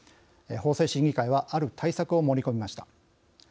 法制審議会はある対策を盛り込みました。